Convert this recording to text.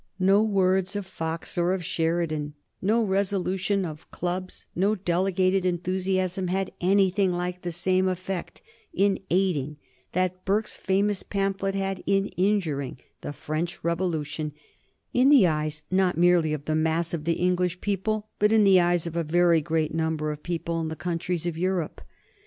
No words of Fox or of Sheridan, no resolution of clubs, no delegated enthusiasm had anything like the same effect in aiding, that Burke's famous pamphlet had in injuring the French Revolution, in the eyes not merely of the mass of the English people, but in the eyes of a very great number of people in the countries of Europe.